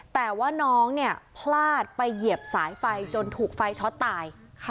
แต่ว่าน้องเนี่ยพลาดไปเหยียบสายไฟจนถูกไฟช็อตตาย